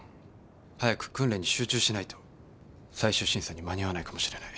早く訓練に集中しないと最終審査に間に合わないかもしれない。